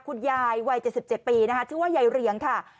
คุณยายวัย๗๗ปีนะคะชื่อว่ายายเรียงค่ะ